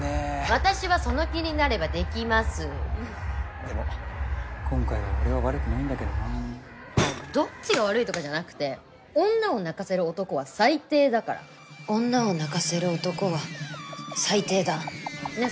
私はその気になればできますでも今回は俺は悪くないんだけどなどっちが悪いとかじゃなくて女を泣かせる男は最低だから女を泣かせる男は最低だねぇ？